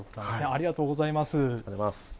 ありがとうございます。